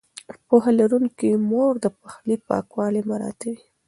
پوهه لرونکې مور د پخلي پاکوالی مراعتوي.